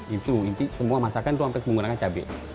itu semua masakan itu hampir menggunakan cabai